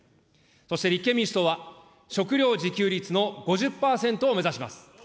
そして立憲民主党は、食料自給率の５０％を目指します。